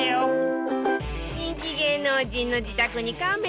人気芸能人の自宅にカメラを設置